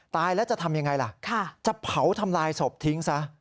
ตายแล้วจะทำยังไงล่ะจะเผาทำลายศพทิ้งซะ